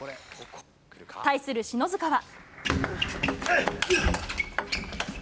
対する篠塚は。